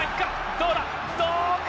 どうだ、どうか。